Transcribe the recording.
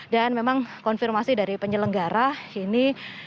dan memang konfirmasi dari penyelenggara ini